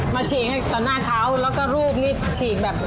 มาฉีกตัวหน้าเขาแล้วก็รูปนี้ฉีกแบบ